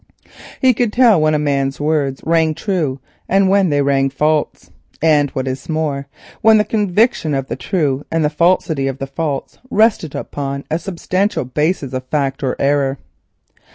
He could tell when a man's words rang true and when they rang false, and what is more when the conviction of the true, and the falsity of the false, rested upon a substantial basis of fact or error.